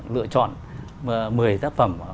lựa chọn một mươi tác phẩm